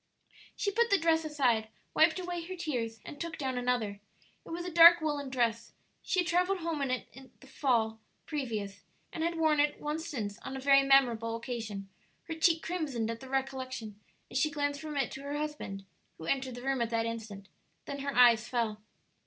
She put the dress aside, wiped away her tears, and took down another. It was a dark woollen dress. She had travelled home in it the previous fall, and had worn it once since on a very memorable occasion; her cheek crimsoned at the recollection as she glanced from it to her husband, who entered the room at that instant; then her eyes fell.